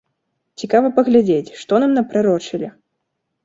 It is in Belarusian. Цікава паглядзець, што нам напрарочылі?